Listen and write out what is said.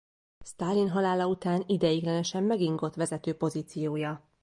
Sztálin halála után ideiglenesen megingott vezető pozíciója.